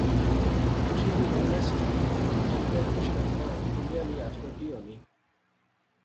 پچھے نی گل نہسی، جنگتے خوش رکھنا کڑیا نی ہتھ بٹی ہونی